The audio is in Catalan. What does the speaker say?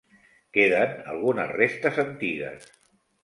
Queden algunes restes antigues.